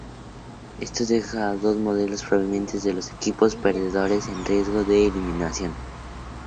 Esto deja a dos modelos, provenientes de los equipos perdedores, en riesgo de eliminación.